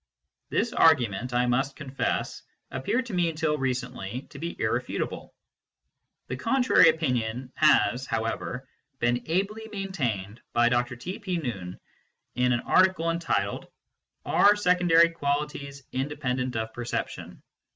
This argument I must confess appeared to me until recently to be irre futable. The contrary opinion has, however, been ably maintained by Dr. T. P. Nunn in an article entitled :" Are Secondary Qualities Independent of Perception